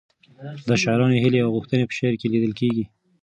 د شاعرانو هیلې او غوښتنې په شعر کې لیدل کېږي.